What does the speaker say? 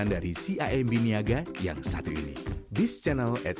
terima kasih banyak